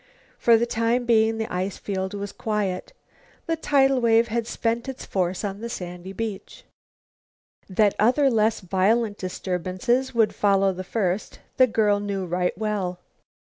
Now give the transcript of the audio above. For the time being the ice field was quiet. The tidal wave had spent its force on the sandy beach. That other, less violent disturbances, would follow the first, the girl knew right well.